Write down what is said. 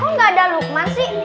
oh gak ada lukman sih